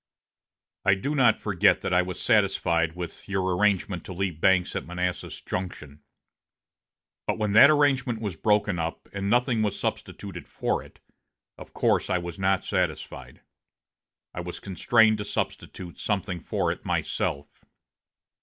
"I do not forget that I was satisfied with your arrangement to leave Banks at Manassas Junction; but when that arrangement was broken up and nothing was substituted for it, of course I was not satisfied. I was constrained to substitute something for it myself."